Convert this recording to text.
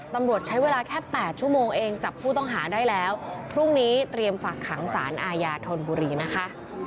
ตำรวจใช้เวลาแค่๘ชั่วโมงเองจับผู้ต้องหาได้แล้วพรุ่งนี้เตรียมฝากขังสารอาญาธนบุรีนะคะ